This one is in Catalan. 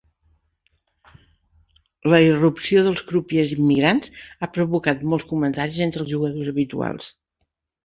La irrupció dels crupiers immigrants ha provocat molts comentaris entre els jugadors habituals.